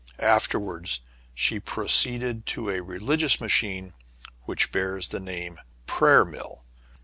Afterwards she proceeded to a religious machine, which bears the name of "prayer mill."